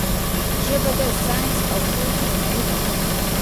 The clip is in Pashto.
ژبه د ساینس او پوهې کیلي ده.